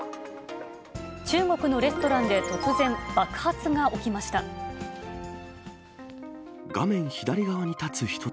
中国のレストランで突然、爆発が起きました。